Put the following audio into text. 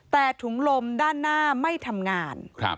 แต่ถุงลมด้านหน้าไม่ทำงาน